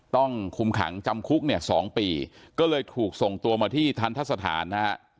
ต้องคุมขังจำคุกเนี่ย๒ปีก็เลยถูกส่งตัวมาที่ทันทะสถานนะฮะ